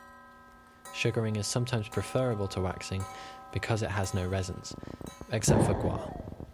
Sugaring is sometimes preferable to waxing because it has no resins, except for guar.